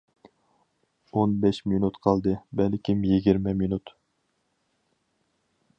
ئون بەش مىنۇت قالدى، بەلكىم يىگىرمە مىنۇت.